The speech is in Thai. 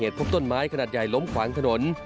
พบต้นไม้ขนาดใหญ่ล้มขวางถนน